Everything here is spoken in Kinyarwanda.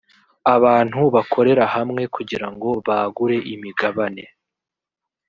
abantu bakorera hamwe kugirango bagure imigabane